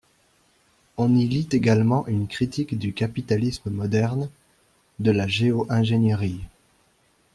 On y lit également une critique du capitalisme moderne, de la Géo-ingénierie.